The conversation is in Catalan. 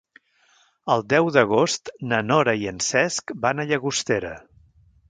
El deu d'agost na Nora i en Cesc van a Llagostera.